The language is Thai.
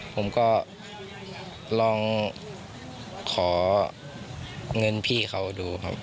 ผมก็ลองขอเงินพี่เขาดูครับ